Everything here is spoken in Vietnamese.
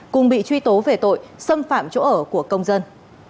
cùng bị truy tố về tội xâm phạm chỗ ở của công dân